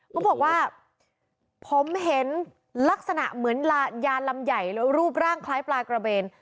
เขาบอกว่าผมเห็นลักษณะเหมือนยาลำใหญ่แล้วรูปร่างคล้ายปลากระเบน